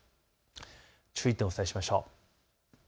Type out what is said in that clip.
注意点をお伝えしましょう。